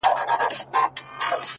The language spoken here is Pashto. يو خوا يې توره سي تياره ښكاريږي;